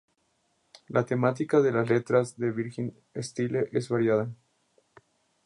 La temática de las letras de Virgin Steele es variada.